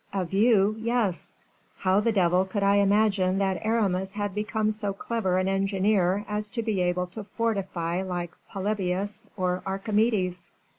"Of you! yes. How the devil could I imagine that Aramis had become so clever an engineer as to be able to fortify like Polybius, or Archimedes?"